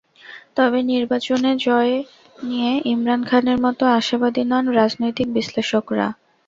তবে নির্বাচনে জয় নিয়ে ইমরান খানের মতো আশাবাদী নন রাজনৈতিক বিশ্লেষকেরা।